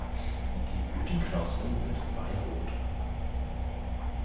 Die Blütenknospen sind weinrot.